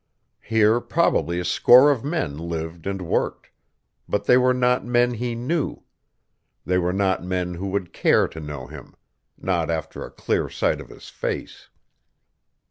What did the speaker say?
Here probably a score of men lived and worked. But they were not men he knew. They were not men who would care to know him, not after a clear sight of his face.